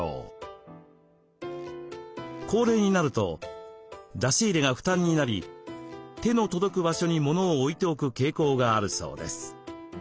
高齢になると出し入れが負担になり手の届く場所に物を置いておく傾向があるそうです。